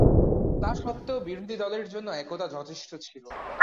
তা সত্ত্বেও, বিরোধী দলের জন্য একতা যথেষ্ট ছিল।